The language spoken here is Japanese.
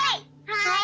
はい！